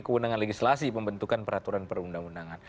kewenangan legislasi pembentukan peraturan perundang undangan